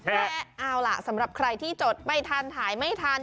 แต่เอาล่ะสำหรับใครที่จดไม่ทันถ่ายไม่ทัน